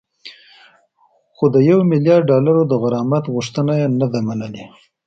خو د یو میلیارد ډالرو د غرامت غوښتنه یې نه ده منلې